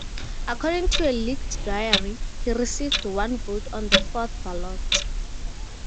According to a leaked diary, he received one vote on the fourth ballot.